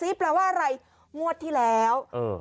หลังซีปแปลว่าอะไรงวดที่แล้วเออ